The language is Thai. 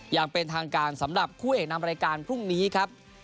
อย่างเป็นทางการสำหรับคู่เอกนำรายการพรุ่งนี้ครับ